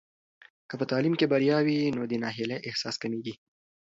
که په تعلیم کې بریا وي، نو د ناهیلۍ احساس کمېږي.